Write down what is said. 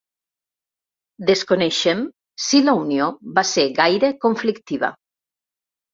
Desconeixem si la unió va ser gaire conflictiva.